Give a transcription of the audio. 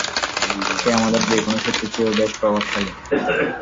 সে আমাদের যে কোনো শত্রুর চেয়েও বেশ প্রভাবশালী!